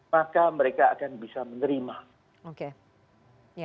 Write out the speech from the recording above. maka mereka akan bisa menerima